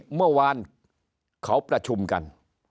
เมื่อวานเขาประชุมกัน